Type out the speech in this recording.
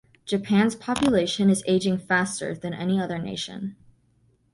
Japan's population is aging faster than any other nation.